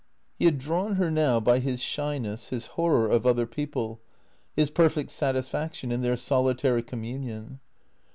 He had drawn her now by his shyness, his horror of other people, his perfect satisfaction in their solitary communion.